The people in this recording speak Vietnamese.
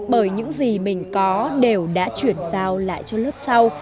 bởi những gì mình có đều đã chuyển giao lại cho lớp sau